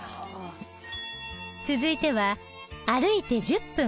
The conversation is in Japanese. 続いては歩いて１０分